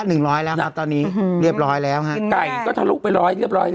หนึ่งร้อยแล้วนะตอนนี้อืมเรียบร้อยแล้วฮะไก่ก็ทะลุไปร้อยเรียบร้อยแล้ว